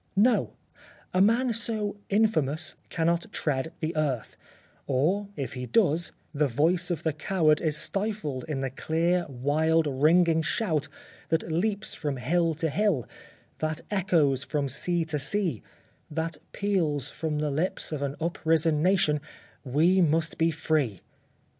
No ! a man so infamous cannot tread the earth ; or, if he does, the voice of the coward is stifled in 53 The Life of Oscar Wilde the clear, wild, ringing shout that leaps from hill to hill, that echoes from sea to sea, that peals from the lips of an uprisen Nation —* We must be free